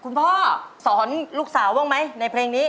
คุณพ่อสอนลูกสาวบ้างไหมในเพลงนี้